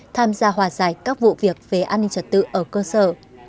tham gia hòa giải các vụ việc về an ninh trật tự ở cơ sở